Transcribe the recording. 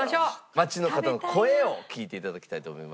街の方の声を聞いて頂きたいと思います。